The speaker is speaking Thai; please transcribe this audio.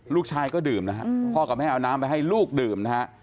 ลูกชายก็ดื่มนะฮะพ่อกับแม่เอาน้ำไปให้ลูกดื่มนะฮะ